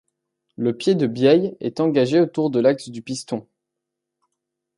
Le pied de bielle est engagé autour de l'axe du piston.